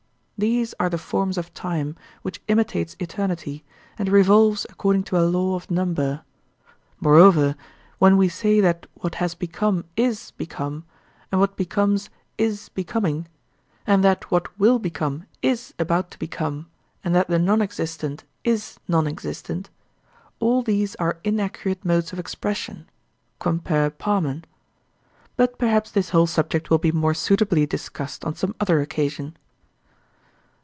These are the forms of time, which imitates eternity and revolves according to a law of number. Moreover, when we say that what has become IS become and what becomes IS becoming, and that what will become IS about to become and that the non existent IS non existent—all these are inaccurate modes of expression (compare Parmen.). But perhaps this whole subject will be more suitably discussed on some other occasion.